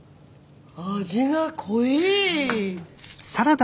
味が濃い！